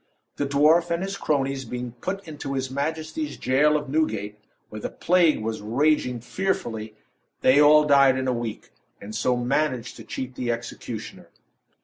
The dwarf and his cronies being put into his majesty's jail of Newgate, where the plague was raging fearfully, they all died in a week, and so managed to cheat the executioner.